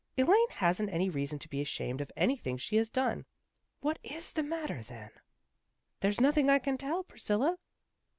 " Elaine hasn't any reason to be ashamed of anything she has done." " What is the matter, then ?"" There's nothing I can tell, Priscilla."